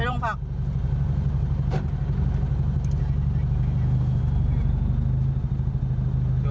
โทรศัพท์ที่ถ่ายคลิปสุดท้าย